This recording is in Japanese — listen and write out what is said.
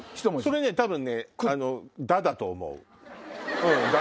それね多分「だ」だと思う。